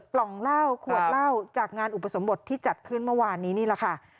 กล่องเหล้าขวดเหล้าจากงานอุปสมบทที่จัดขึ้นเมื่อวานนี้นี่แหละค่ะ